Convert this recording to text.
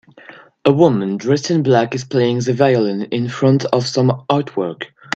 A woman dressed in black is playing the violin in front of some artwork.